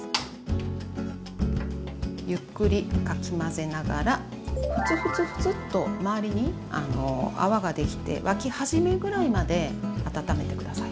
ゆっくりかき混ぜながらフツフツフツと周りに泡ができて沸き始めぐらいまで温めて下さい。